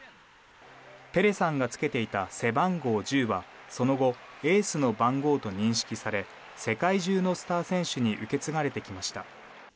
ペレさんがつけていた背番号１０はその後、エースの番号と認識され世界中のスター選手に受け継がれてきました。